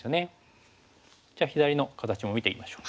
じゃあ左の形も見ていきましょう。